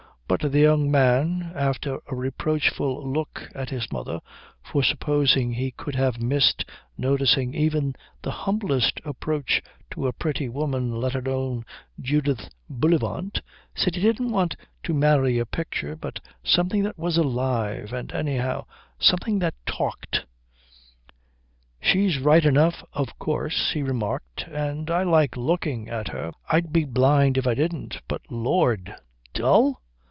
But the young man, after a reproachful look at his mother for supposing he could have missed noticing even the humblest approach to a pretty woman let alone Judith Bullivant, said he didn't want to marry a picture but something that was alive and, anyhow, something that talked. "She's right enough, of course," he remarked, "and I like looking at her. I'd be blind if I didn't. But Lord, dull?